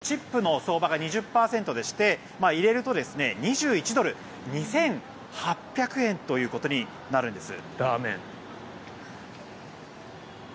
アメリカはチップの相場が２０％でして入れると２１ドル２８００円ということになるんです。